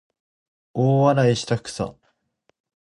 大笑いしたくさ